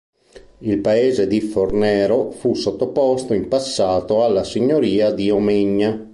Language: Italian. Il paese di Fornero fu sottoposto in passato alla signoria di Omegna.